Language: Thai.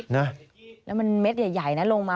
แล้วมันเม็ดใหญ่นะลงมา